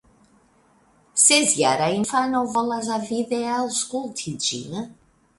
Sesjara infano volas avide aŭskulti ĝin.